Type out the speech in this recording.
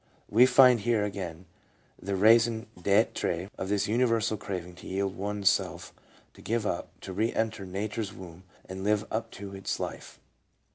We find here again the raison d'Ure of this universal craving to yield one's self, to give up, to re enter Nature's womb and live of its life.